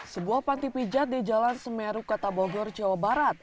sebuah panti pijat di jalan semeru kota bogor jawa barat